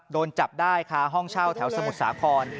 โดนจับได้ค่ะห้องเช่าแถวสมุทรสาคร